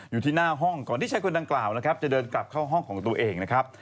อยู่ที่หน้าห้องก่อนที่ชายคนดังกล่าวนะครับจะเดินกลับเข้าห้องของตัวเองนะครับ